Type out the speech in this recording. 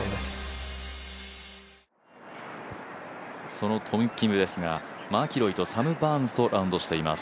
そのトム・キムですが、マキロイとサム・バーンズとラウンドしています